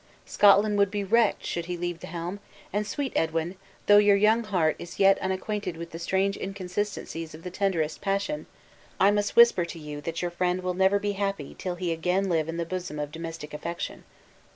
Scotland will be wrecked should he leave the helm; and, sweet Edwin, though your young heart is yet unacquainted with the strange inconsistencies of the tenderest passion, I must whisper you that your friend will never be happy till he again live in the bosom of domestic affection."